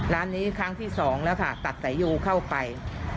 ร้านนี้ครั้งที่สองแล้วค่ะตัดสายโยเข้าไป